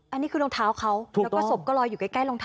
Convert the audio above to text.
อันนี้คือรองเท้าเขาแล้วก็ศพก็ลอยอยู่ใกล้รองเท้า